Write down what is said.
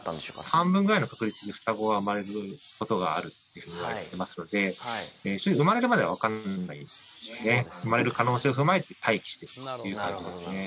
半分ぐらいの確率で双子は生まれることがあるっていわれてますので生まれるまでは分かんないんですね生まれる可能性を踏まえて待機してるという感じですね